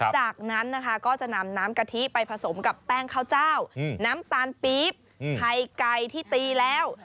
จากนั้นนะคะก็จะนำน้ำกะทิไปผสมกับแป้งข้าวเจ้าน้ำตาลปี๊บไข่ไก่ที่ตีแล้ว